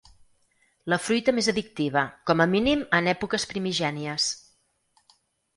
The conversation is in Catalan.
La fruita més addictiva, com a mínim en èpoques primigènies.